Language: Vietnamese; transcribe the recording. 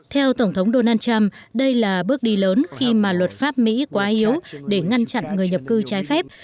theo tổng thống donald trump đây là bước đi lớn khi mà luật pháp mỹ quá yếu để ngăn chặn người nhập cư trái phép